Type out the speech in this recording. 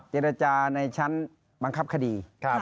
เจรจาในชั้นบังคับคดี